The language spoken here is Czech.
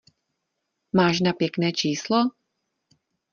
Máš na pěkné číslo?